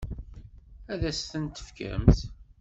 Ad as-ten-tefkemt?